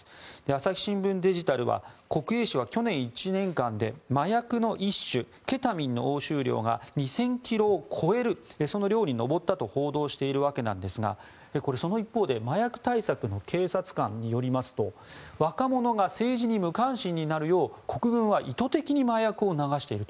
朝日新聞デジタルは国営紙は去年１年間で麻薬の一種ケタミンの押収量が２０００ｋｇを超える量に上ったと報道していますがその一方で麻薬対策の警察官によりますと若者が政治に無関心になるよう国軍は意図的に麻薬を流していると。